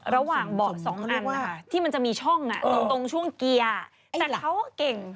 ระหว่างเบาะสองอันที่มันจะมีช่องตรงช่วงเกียร์แต่เขาเก่ง